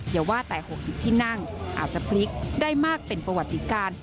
อย่าว่าแต่๖๐ที่นั่งอาจจะพลิกได้มากเป็นประวัติการ